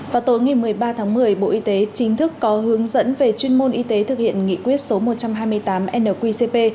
vào tối ngày một mươi ba tháng một mươi bộ y tế chính thức có hướng dẫn về chuyên môn y tế thực hiện nghị quyết số một trăm hai mươi tám nqcp